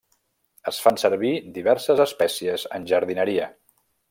Es fan servir diverses espècies en jardineria.